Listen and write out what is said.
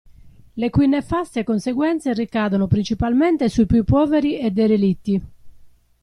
Le cui nefaste conseguenze ricadono principalmente sui più poveri e derelitti.